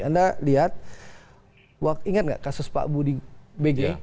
anda lihat ingat nggak kasus pak budi bg